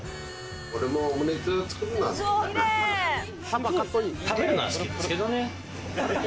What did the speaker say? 俺もオムレツを作るのは好きですかね。